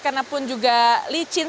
kena pun juga licin